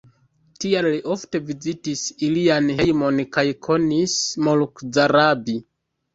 Tial li ofte vizitis ilian hejmon kaj konis Moluk Zarabi.